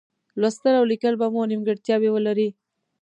لوستل او لیکل به مو نیمګړتیاوې ولري.